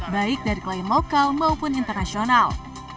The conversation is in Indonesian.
baik dari klaim lokal maupun internasional